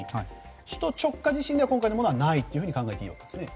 首都直下地震では今回のものはないと考えていいですか。